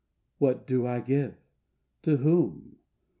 What do I give? to whom?